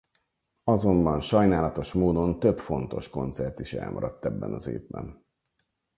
Azonban sajnálatos módon több fontos koncert is elmaradt ebben az évben.